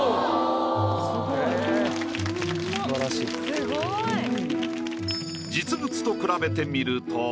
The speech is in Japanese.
すごい。実物と比べてみると。